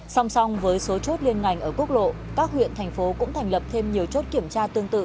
song song với số chốt liên ngành ở quốc lộ các huyện thành phố cũng thành lập thêm nhiều chốt kiểm tra tương tự